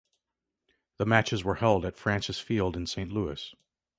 The matches were held at Francis Field in Saint Louis.